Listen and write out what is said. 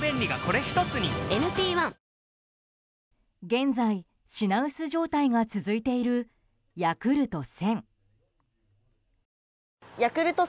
現在、品薄状態が続いているヤクルト１０００。